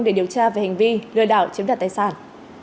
để điều tra về hành vi lừa đảo chiếm đặt tài sản